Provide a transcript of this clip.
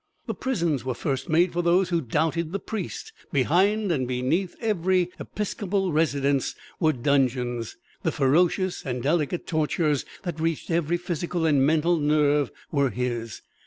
The prisons were first made for those who doubted the priest; behind and beneath every episcopal residence were dungeons; the ferocious and delicate tortures that reached every physical and mental nerve were his.